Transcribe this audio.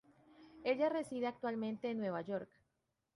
Ella reside actualmente en Nueva York.